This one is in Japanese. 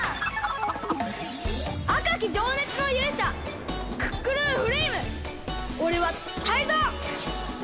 あかきじょうねつのゆうしゃクックルンフレイムおれはタイゾウ！